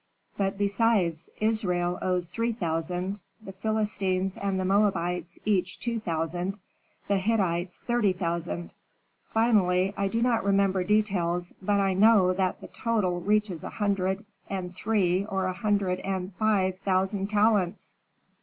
But, besides, Israel owes three thousand, the Philistines and the Moabites each two thousand, the Hittites thirty thousand. Finally, I do not remember details, but I know that the total reaches a hundred and three or a hundred and five thousand talents."